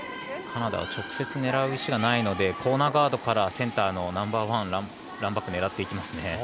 カナダは直接狙う石がないのでコーナーガードからセンターのナンバーワンランバックを狙っていきますね。